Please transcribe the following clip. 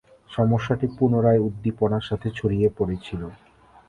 সমস্যাটি পুনরায় উদ্দীপনার সাথে ছড়িয়ে পড়েছিল।